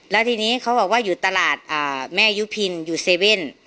แล้วทีนี้เขาบอกว่าอยู่ตลาดแม่ยุพินอยู่๗๑๑